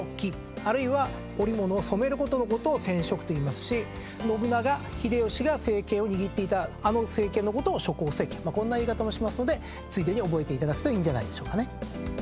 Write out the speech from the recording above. あるいは織物を染めることを染織といいますし信長・秀吉が政権を握っていたあの政権のことを織豊政権こんな言い方もしますのでついでに覚えていただくといいんじゃないでしょうかね。